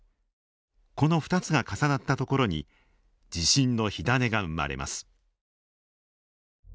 この２つが重なった所に地震の火種が生まれます。